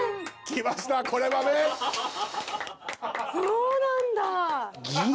そうなんだ！